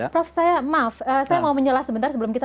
prof saya mau menjelaskan sebentar sebelum kita